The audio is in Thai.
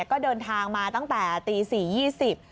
ก็เดินทางมาตั้งแต่ตี๔๒๐น